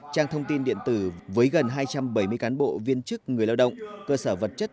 trang thông tin điện tử với gần hai trăm bảy mươi cán bộ viên chức người lao động cơ sở vật chất